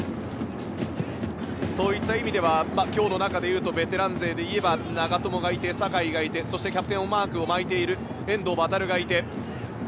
そういった意味では今日の中でいうとベテラン勢でいうと長友がいて酒井がいてそして、キャプテンマークを巻いている遠藤航がいて。